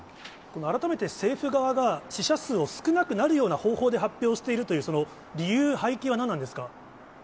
改めて政府側が死者数を少なくなるような方法で発表しているという、その理由、背景は何なんですか？